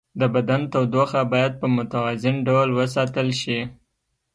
د بدن تودوخه باید په متوازن ډول وساتل شي.